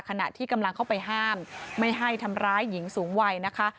ขณะที่กำลังเข้าไปห้ามไม่ให้ทำร้ายหญิงสูงวัยนะคะ